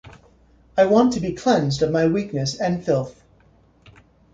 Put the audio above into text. I want to be cleansed of my weakness and filth.